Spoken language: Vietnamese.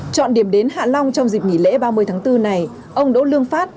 chọn điểm đến hạ long trong dịp nghỉ lễ ba mươi tháng bốn này ông đỗ lương phát